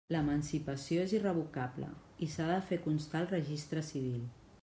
L'emancipació és irrevocable i s'ha de fer constar al Registre Civil.